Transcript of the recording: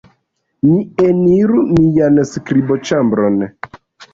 Ni eniru mian skriboĉambron.